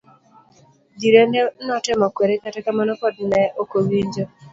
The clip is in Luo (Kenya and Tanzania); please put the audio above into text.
Jirende notemo kwere kata kamano pod ne okowinjo.